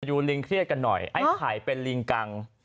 ดูลิงเครียดกันหน่อยไอ้ไข่เป็นลิงกัง